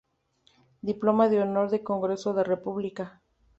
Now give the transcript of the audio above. Diploma de Honor del Congreso de la República.